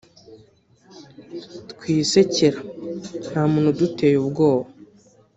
twisekera nta muntu uduteye ubwoba